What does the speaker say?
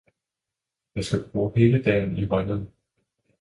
Jeg skal bruge hele dagen i Rønnede